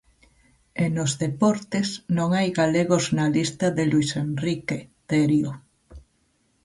E nos deportes, non hai galegos na lista de Luís Enrique, Terio.